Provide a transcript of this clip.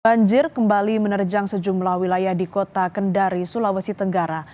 banjir kembali menerjang sejumlah wilayah di kota kendari sulawesi tenggara